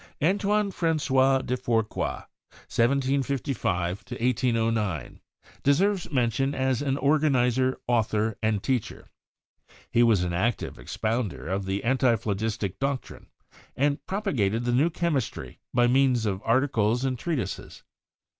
Antoine Franqois de Fourcroy (1755 1809) deserves mention as an organizer, author and teacher. He was an active expounder of the antiphlogistic doctrine, and prop agated the new chemistry by means of articles and treati ses.